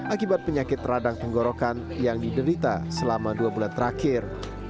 akibat penyakit radang tenggorokan yang diderita selama dua bulan terakhir